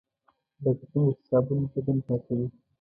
لکه څنګه چې صابون بدن پاکوي .